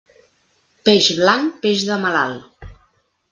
Peix blanc, peix de malalt.